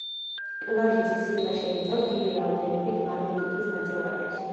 პლაჟის სილა შეიცავს დიდი რაოდენობით მაგნეტიტის ნაწილაკებს.